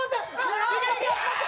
待って！